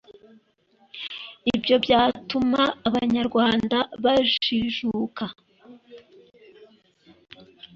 ibyo byatuma abanyarwanda bajijuka